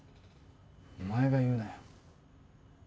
お前が言うなよ。